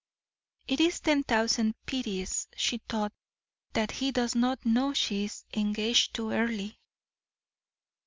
"It is ten thousand pities," she thought, "that he does not know she is engaged to Earle."